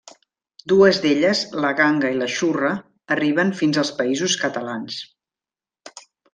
Dues d'elles, la ganga i la xurra, arriben fins als Països Catalans.